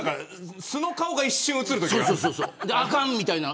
素の顔が一瞬映るときがある。